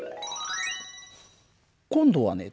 今度はね